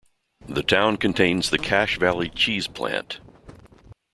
The town contains the Cache Valley Cheese plant.